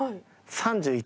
３１？